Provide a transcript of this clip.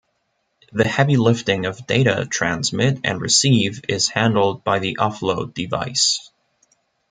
The heavy lifting of data transmit and receive is handled by the offload device.